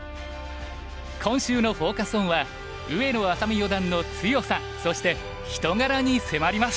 今週のフォーカス・オンは上野愛咲美四段の強さそして人柄に迫ります！